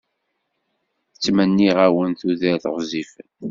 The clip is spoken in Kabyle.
Ttmenniɣ-awen tudert ɣezzifen.